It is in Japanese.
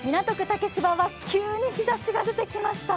竹芝は急に日ざしが出てきました。